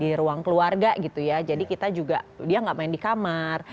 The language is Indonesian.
di ruang keluarga gitu ya jadi kita juga dia nggak main di kamar